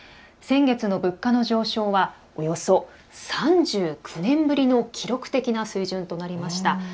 先月の物価の上昇はおよそ３９年ぶりの記録的な水準となりました。